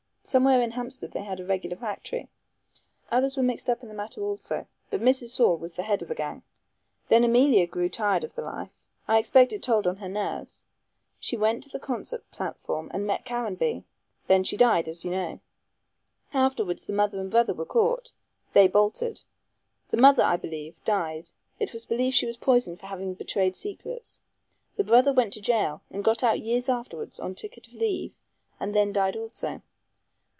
Somewhere in Hampstead they had a regular factory. Others were mixed up in the matter also, but Mrs. Saul was the head of the gang. Then Emilia grew tired of the life I expect it told on her nerves. She went on the concert platform and met Caranby. Then she died, as you know. Afterwards the mother and brother were caught. They bolted. The mother, I believe, died it was believed she was poisoned for having betrayed secrets. The brother went to jail, got out years afterwards on ticket of leave, and then died also.